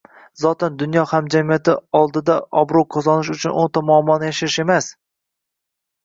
Zotan, dunyo hamjamiyati oldida obro‘ qozonish uchun o‘nta muammoni yashirish emas